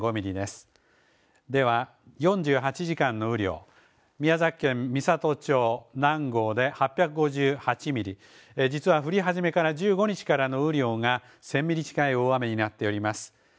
では４８時間の雨量、宮崎県美郷町南郷で８５８ミリ、実は降り始めから１５日からの雨量が１０００ミリ近い大雨になっております。